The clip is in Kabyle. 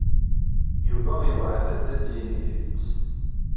Yuba iweɛɛed-d ad d-yini tidet.